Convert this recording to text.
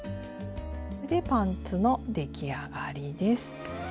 でパンツの出来上がりです。